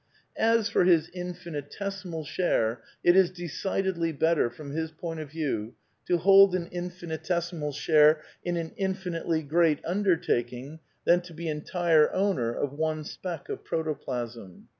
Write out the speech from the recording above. As for his infinitesimal share, it is decidedly better, from his point of view, to hold an infinitesimal share in , an infinitely great undertaking than to be entire owner ^ of one speck of protoplasm.